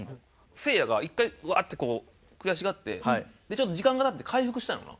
せいやが一回うわってこう悔しがってでちょっと時間が経って回復したのかな？